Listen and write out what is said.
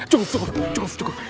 cukup cukup cukup